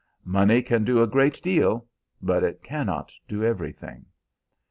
Money can do a great deal, but it cannot do everything.